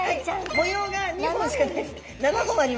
模様が２本しかない。